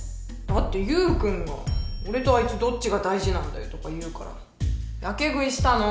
だってユウ君が俺とあいつどっちが大事なんだよとか言うからやけ食いしたの！